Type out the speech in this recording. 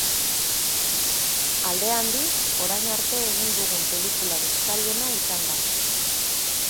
Alde handiz, orain arte egin dugun pelikularik zailena izan da.